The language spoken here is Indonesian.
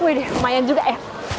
wih lumayan juga ya